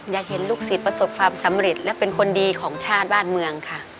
อยากเห็นลูกศิษย์ประสบความสำเร็จและเป็นคนดีของชาติบ้านเมืองค่ะ